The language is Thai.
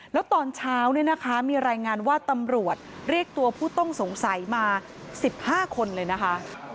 แล้วตอนเช้าเนี่ยนะคะมีรายงานว่าตำรวจเรียกตัวผู้ต้องสงสัยมา๑๕คนเลยนะคะ